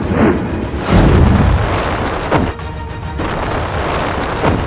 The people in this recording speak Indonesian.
saat hidupku dua orang masih satu lebih pacu